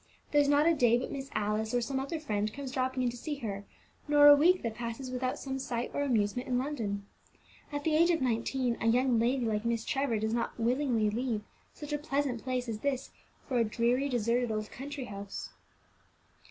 There's not a day but Miss Alice, or some other friend, comes dropping in to see her; nor a week that passes without some sight or amusement in London. At the age of nineteen, a young lady like Miss Trevor does not willingly leave such a pleasant place as this for a dreary, deserted old country house."